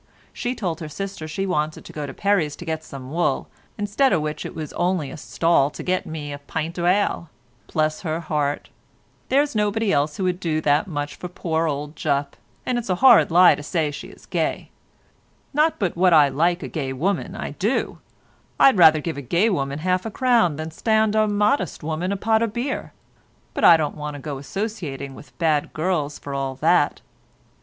She told her sister she wanted to go to Perry's to get some wool, instead o' which it was only a stall to get me a pint o' ale, bless her heart; there's nobody else would do that much for poor old Jupp, and it's a horrid lie to say she is gay; not but what I like a gay woman, I do: I'd rather give a gay woman half a crown than stand a modest woman a pot o' beer, but I don't want to go associating with bad girls for all that.